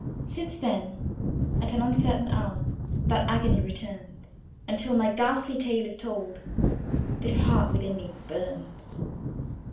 Since then, at an uncertain hour, That agony returns; And till my ghastly tale is told, This heart within me burns.